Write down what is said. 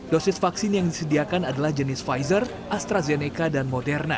dosis vaksin yang disediakan adalah jenis pfizer astrazeneca dan moderna